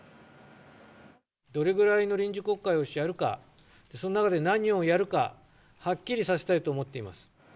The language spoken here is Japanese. どれぐらいの臨時国会をやるか、その中で何をやるか、はっきりさせたいと思っています。